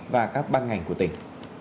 và các ban ngành của tỉnh